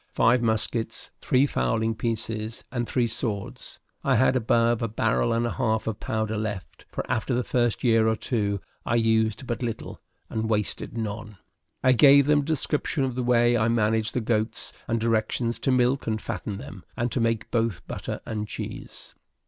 five muskets, three fowling pieces, and three swords. I had above a barrel and a half of powder left; for after the first year or two I used but little, and wasted none. I gave them a description of the way I managed the goats, and directions to milk and fatten them, and to make both butter and cheese.